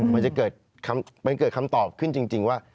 มันจะเกิดคำตอบขึ้นจริงว่า